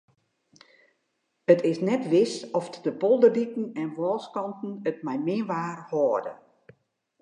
It is net wis oft de polderdiken en wâlskanten it mei min waar hâlde.